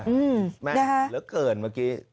อืมนะคะแล้วเกินเมื่อกี้